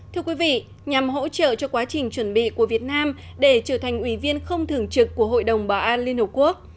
thưa quý vị nhằm hỗ trợ cho quá trình chuẩn bị của việt nam để trở thành ủy viên không thường trực của hội đồng bảo an liên hợp quốc